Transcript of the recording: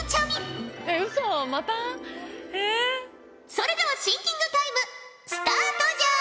それではシンキングタイムスタートじゃ！